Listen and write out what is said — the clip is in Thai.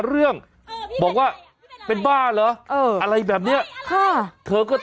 เรื่องบอกว่าเป็นบ้าเหรอเอออะไรแบบเนี้ยค่ะเธอก็